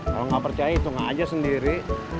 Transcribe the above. kalau gak percaya itu gak aja sendiri